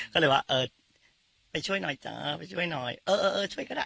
ก็เลยว่าเออไปช่วยหน่อยจ้าไปช่วยหน่อยเออเออช่วยก็ได้